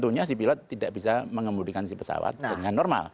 tentunya si pilot tidak bisa mengemudikan si pesawat dengan normal